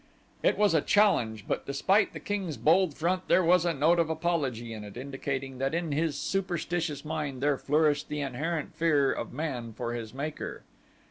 It was a challenge but despite the king's bold front there was a note of apology in it, indicating that in his superstitious mind there flourished the inherent fear of man for his Maker.